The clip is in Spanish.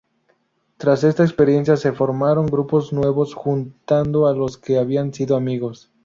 Tras esta experiencia, se formaron grupos nuevos, juntando a los que habían sido amigos.